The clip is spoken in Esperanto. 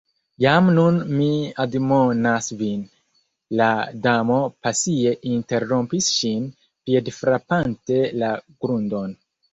"Jam nun mi admonas vin," la Damo pasie interrompis ŝin, piedfrapante la grundon